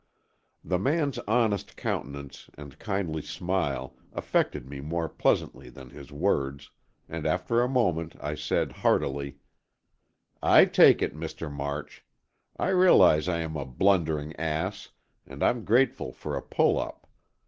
The man's honest countenance and kindly smile affected me more pleasantly than his words, and after a moment I said, heartily: "I take it, Mr. March. I realize I am a blundering ass, and I'm grateful for a pull up.